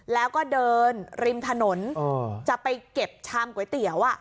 แล้วก็เดินริมถนนจะไปเก็บชามก๋วยเตี๋ยว